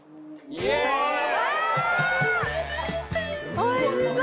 おいしそう！